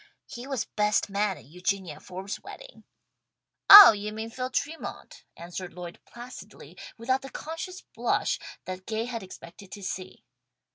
He was best man at Eugenia Forbes' wedding." "Oh, you mean Phil Tremont!" answered Lloyd placidly, without the conscious blush that Gay had expected to see.